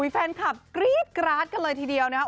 แฟนคลับกรี๊ดกราดกันเลยทีเดียวนะครับ